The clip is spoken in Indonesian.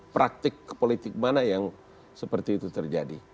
praktik politik mana yang seperti itu terjadi